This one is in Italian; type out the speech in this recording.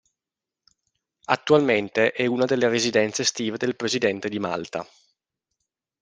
Attualmente è una delle residenze estive del Presidente di Malta.